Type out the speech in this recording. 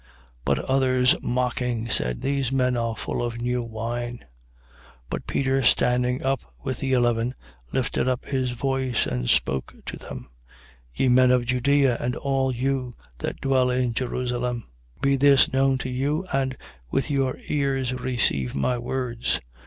2:13. But others mocking, said: These men are full of new wine. 2:14. But Peter standing up with the eleven, lifted up his voice, and spoke to them: Ye men of Judea, and all you that dwell in Jerusalem, be this known to you and with your ears receive my words.